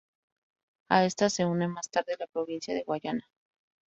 A estas se une más tarde la provincia de Guayana.